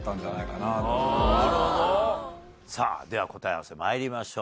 さぁ答え合わせまいりましょう。